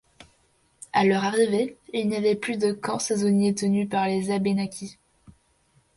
À leur arrivée, il n'y avait plus de camps saisonniers tenus par les Abénakis.